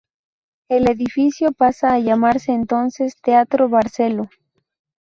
El edificio pasa a llamarse entonces "Teatro Barceló".